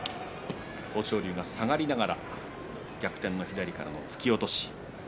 豊昇龍が下がりながらも逆転の左からの突き落とし。